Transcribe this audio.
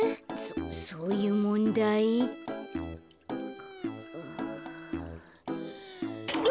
そそういうもんだい？